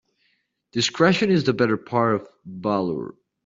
Discretion is the better part of valour.